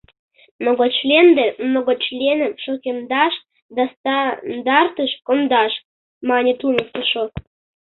— Многочлен ден многочленым шукемдаш да стандартыш кондаш, — мане туныктышо.